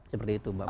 seperti itu mbak